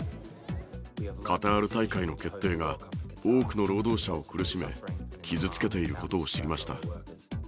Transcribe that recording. カタール大会の決定が、多くの労働者を苦しめ、傷つけていることを知りました。